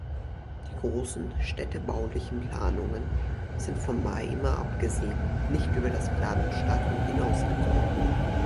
Die großen städtebaulichen Planungen sind, von Weimar abgesehen, nicht über das Planungsstadium hinausgekommen.